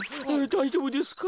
だいじょうぶですか？